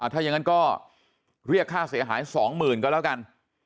ถ้ายังงั้นก็เรียกค่าเสียหาย๒หมื่นก็แล้วกัน